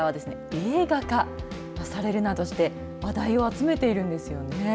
映画化されるなどして話題を集めているんですね。